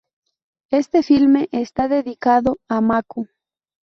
Este filme está dedicado a Mako.